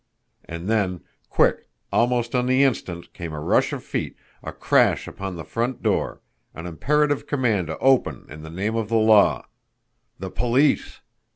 And then, quick, almost on the instant, came a rush of feet, a crash upon the front door an imperative command to open in the name of the law. THE POLICE!